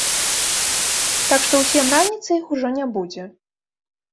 Так што ў сем раніцы іх ужо не будзе.